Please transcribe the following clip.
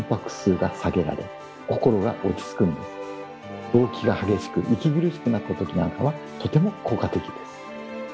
動悸が激しく息苦しくなったときなんかはとても効果的です。